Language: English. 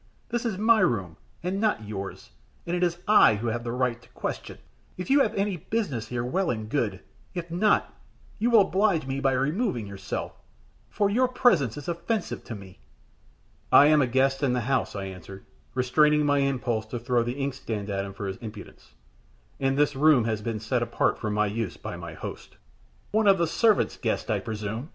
This is my room, and not yours, and it is I who have the right to question. If you have any business here, well and good. If not, you will oblige me by removing yourself, for your presence is offensive to me." "I am a guest in the house," I answered, restraining my impulse to throw the inkstand at him for his impudence. "And this room has been set apart for my use by my host." "One of the servant's guests, I presume?"